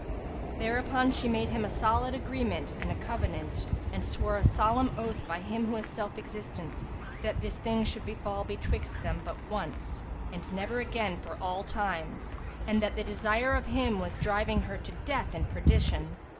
'''[FN#347] Thereupon she made him an agreement and a covenant and swore a solemn oath by Him who is Self existent, that this thing should befal betwixt them but once and never again for all time, and that the desire of him was driving her to death and perdition.